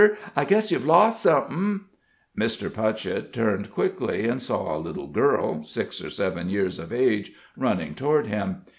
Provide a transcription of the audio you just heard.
I guess you've lost something!" Mr. Putchett turned quickly, and saw a little girl, six or seven years of age, running toward him.